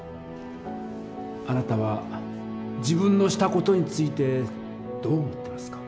あなたは自分のした事についてどう思ってますか？